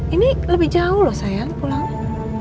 ini lebih jauh loh sayang pulangnya